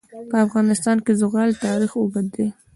په افغانستان کې د زغال تاریخ اوږد دی.